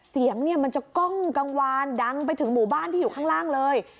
เสียงแกโต้กังวานดังไปถึงบุบันที่อยู่ข้างล่างเลย